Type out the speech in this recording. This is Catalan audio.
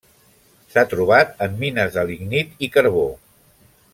S'ha trobat en mines de lignit i carbó.